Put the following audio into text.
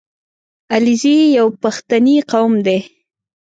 • علیزي یو پښتني قوم دی.